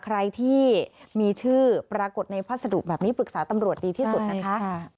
ใครที่มีชื่อปรากฏในพัสดุแบบนี้ปรึกษาตำรวจดีที่สุดนะคะ